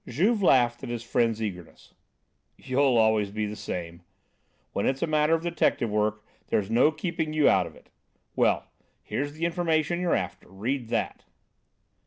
Juve laughed at his friend's eagerness. "You'll always be the same. When it's a matter of detective work, there's no keeping you out of it. Well, here's the information you're after. Read that."